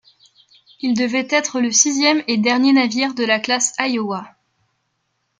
Il devait être le sixième et dernier navire de la classe Iowa.